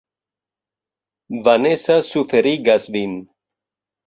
Vanesa suferigas vin.